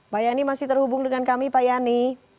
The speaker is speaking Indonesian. pak yani masih terhubung dengan kami pak yani